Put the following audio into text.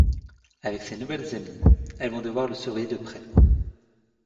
Avec ses nouvelles amies, elles vont devoir le surveiller de près.